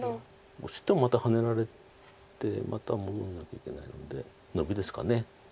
オシてもまたハネられてまた守んなきゃいけないんでノビですか。